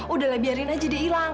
udah lah biarin aja dia hilang